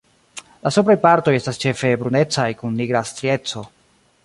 La supraj partoj estas ĉefe brunecaj kun nigra strieco.